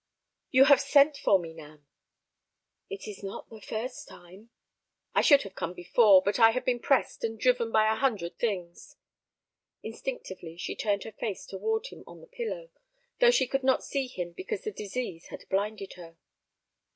"You have sent for me, Nan—" "It is not the first time." "I should have come before, but I have been pressed and driven by a hundred things." Instinctively she turned her face toward him on the pillow, though she could not see him because the disease had blinded her.